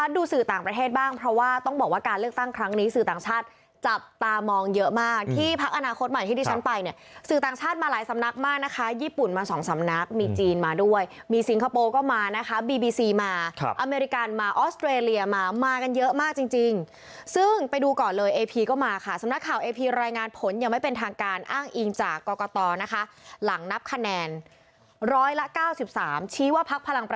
ดูสื่อต่างประเทศบ้างเพราะว่าต้องบอกว่าการเลือกตั้งครั้งนี้สื่อต่างชาติจับตามองเยอะมากที่พักอนาคตใหม่ที่ดิฉันไปเนี่ยสื่อต่างชาติมาหลายสำนักมากนะคะญี่ปุ่นมาสองสำนักมีจีนมาด้วยมีสิงคโปร์ก็มานะคะบีบีซีมาอเมริกามาออสเตรเลียมามากันเยอะมากจริงจริงซึ่งไปดูก่อนเลยเอพีก็มาค่ะสำนักข่าวเอพีร